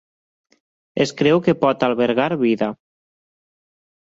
Es creu que pot albergar vida.